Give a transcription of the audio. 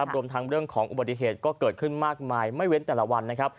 รวมทางเรื่องของบริเณก็เกิดขึ้นมากมายไม่เว้นแต่ละวันนะครับ